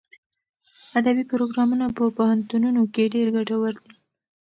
ادبي پروګرامونه په پوهنتونونو کې ډېر ګټور دي.